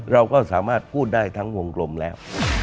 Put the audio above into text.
เราก็สามารถพูดได้ทั้งวงกลมแล้ว